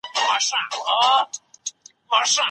ولې ملي سوداګر ساختماني مواد له هند څخه واردوي؟